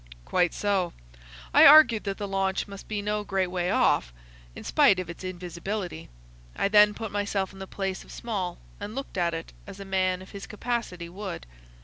"Quite so. I argued that the launch must be no great way off, in spite of its invisibility. I then put myself in the place of Small, and looked at it as a man of his capacity would.